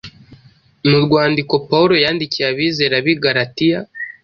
Mu rwandiko Pawulo yandikiye abizera b’i Galatiya,